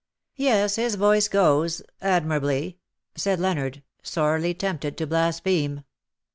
" Yes, his voice goes — admirably," said Leonard, sorely tempted to blaspheme.